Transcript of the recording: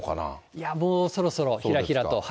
いや、もうそろそろ、ひらひらと。